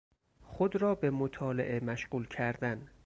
خود را به مطالعه مشغول کردن